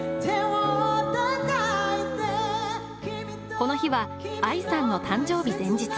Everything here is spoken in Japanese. この日はＡＩさんの誕生日前日。